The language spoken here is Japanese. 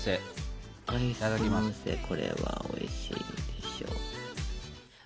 これはおいしいでしょ！